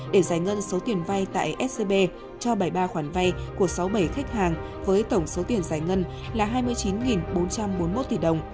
để giải ngân số tiền vay tại scb cho bảy mươi ba khoản vay của sáu mươi bảy khách hàng với tổng số tiền giải ngân là hai mươi chín bốn trăm bốn mươi một tỷ đồng